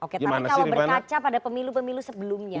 kalau berkaca pada pemilu pemilu sebelumnya